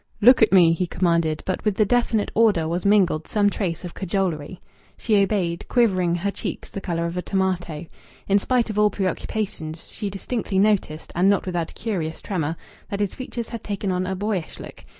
"Look at me!" he commanded, but with the definite order was mingled some trace of cajolery. She obeyed, quivering, her cheeks the colour of a tomato. In spite of all preoccupations, she distinctly noticed and not without a curious tremor that his features had taken on a boyish look.